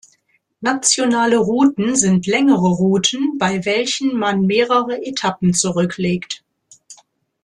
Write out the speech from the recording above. Nationale Routen sind längere Routen, bei welchen man mehrere Etappen zurücklegt.